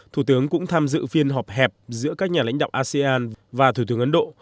thủ tướng cũng tham dự phiên họp hẹp giữa các nhà lãnh đạo asean và thủ tướng ấn độ